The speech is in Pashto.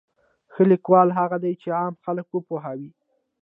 ښه لیکوال هغه دی چې عام خلک وپوهوي.